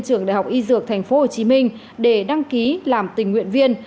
trường đại học y dược thành phố hồ chí minh để đăng ký làm tình nguyện viên